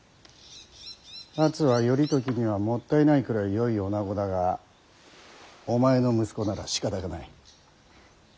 初は頼時にはもったいないくらいよい女子だがお前の息子ならしかたがない。